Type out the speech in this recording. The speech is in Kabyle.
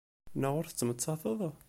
Naɣ ur tettmettateḍ?